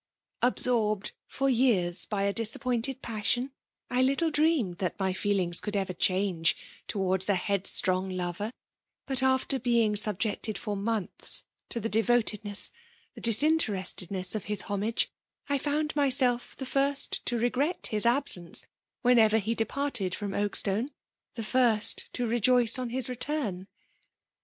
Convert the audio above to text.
Absorbed for years by a disappointed passion, I little dreamed that my feelings could ever change towards a headstrong lover ; but after being subjected for months to the devotedness, tlie diainteresteckiess of his homage, I fmmdmysrif the first to regret his absenoe, whenefer be departed from Oakstane, ^tiie first to ngoioe in his return.